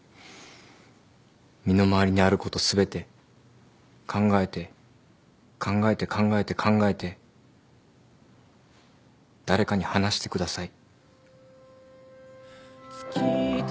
身の回りにあること全て考えて考えて考えて考えて誰かに話してください。